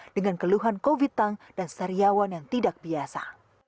dengan keluhan covid tung dan seriawan yang tidak biasa